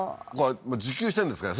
自給してるんですかね？